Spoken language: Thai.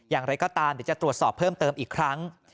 อย่างไรก็ตามเดี๋ยวจะตรวจสอบเพิ่มเติมอีกครั้ง